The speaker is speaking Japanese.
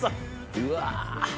うわ！